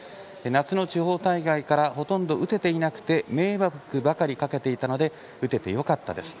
夏の地方大会からほとんど打てていなくて迷惑ばかりかけていたので打ててよかったです。